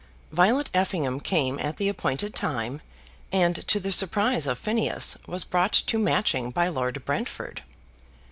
Violet Effingham came at the appointed time, and, to the surprise of Phineas, was brought to Matching by Lord Brentford.